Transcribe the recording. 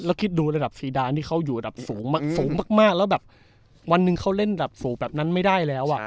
เราคิดดูระดับซีดานที่เขาอยู่สูงมากมันไม่ได้วันหนึ่งเขาเล่นสูงแบบนั้นไม่ได้แล้ว